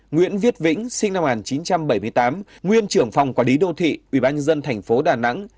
nguyễn viết vĩnh sinh năm một nghìn chín trăm bảy mươi tám nguyên trưởng phòng quản lý đô thị ủy ban nhân dân tp đà nẵng